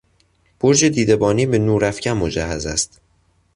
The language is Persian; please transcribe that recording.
برج دیدهبانی به نور افکن مجهز است.